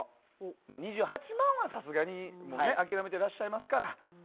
２８万円はさすがに諦めていますから。